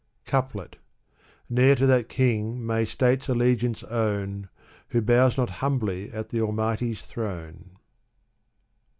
Couplet Ne'er to that king may states allegiance own. Who bows not humbly at th' Almighty^ throne.